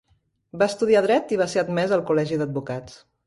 Va estudiar dret i va ser admès al col·legi d'advocats.